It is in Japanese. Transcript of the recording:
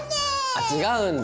あ違うんだ。